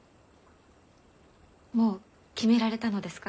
もう決められたのですか？